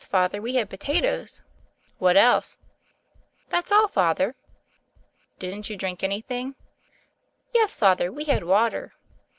Father; we had potatoes." "What else?" "That's all. Father." "Didn't you drink anything?'* "Yes, Father; we had water."